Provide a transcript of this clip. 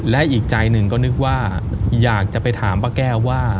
และอีกใจหนึ่งก็นึกว่าอยากจะไปถามป้าแก้วว่า